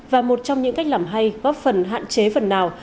và một trong những cách làm hay góp phần hạn chế phần nào